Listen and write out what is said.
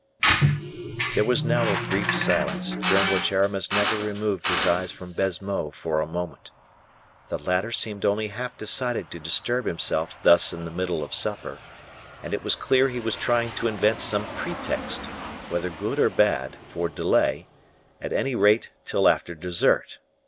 There was now a brief silence, during which Aramis never removed his eyes from Baisemeaux for a moment. The latter seemed only half decided to disturb himself thus in the middle of supper, and it was clear he was trying to invent some pretext, whether good or bad, for delay, at any rate till after dessert.